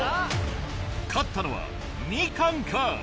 勝ったのはみかんか？